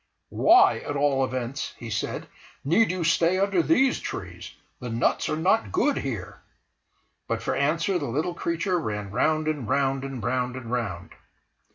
"Why, at all events," he said, "need you stay under these trees? the nuts are not good here." But for answer the little creature ran round and round, and round and round.